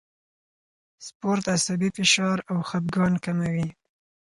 سپورت عصبي فشار او خپګان کموي.